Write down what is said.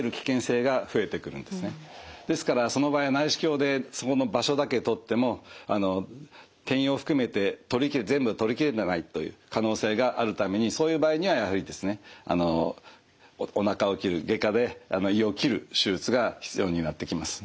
ですからその場合は内視鏡でそこの場所だけ取っても転移を含めて全部取り切れてないという可能性があるためにそういう場合にはやはりですねおなかを切る外科で胃を切る手術が必要になってきます。